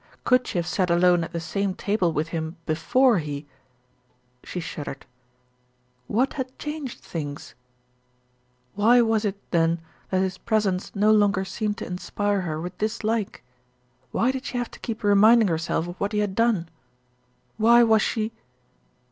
Could she have sat alone at the same table with him before he she shuddered. What had changed things? Why was it then that his presence no longer seemed to inspire her with dislike? Why did she have to keep reminding herself of what he had done? Why was she?